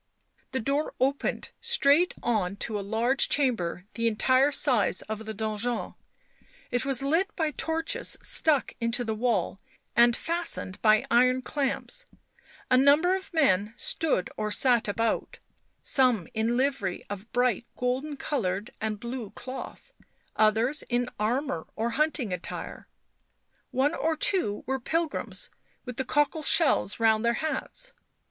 The door opened straight on to a large chamber the entire size of the donjon; it was lit by torches stuck into the wall and fastened by iron clamps ; a number of men stood or sat about, some in livery of bright golden coloured and blue cloth, others in armour or hunting attire; one or two were pilgrims with the cockle shells round their hats.